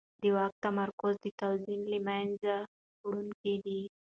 د واک تمرکز د توازن له منځه وړونکی دی